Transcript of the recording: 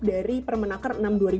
dari permenaker enam dua ribu dua puluh